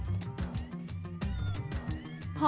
อยากหว่ามันละกันนะ